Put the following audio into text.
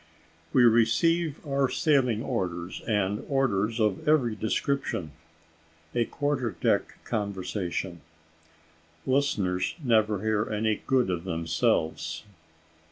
WE RECEIVE OUR SAILING ORDERS, AND ORDERS OF EVERY DESCRIPTION A QUARTER DECK CONVERSATION LISTENERS NEVER HEAR ANY GOOD OF THEMSELVES.